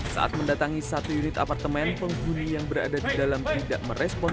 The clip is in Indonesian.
saat mendatangi satu unit apartemen penghuni yang berada di dalam tidak merespon